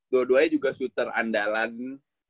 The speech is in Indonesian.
dodo aja juga su ter andalan